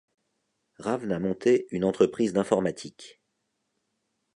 Ravn a monté une entreprise d'informatique.